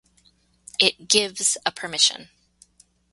It "gives" a permission.